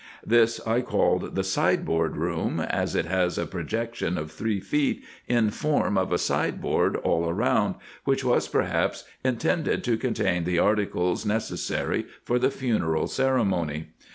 This I called the Sideboard Room, as it has a projection of three feet in form of a sideboard all round, which was perhaps intended to contain the articles necessary for the funeral ceremony.